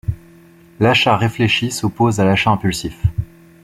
L'achat réfléchi s'oppose à l'achat impulsif.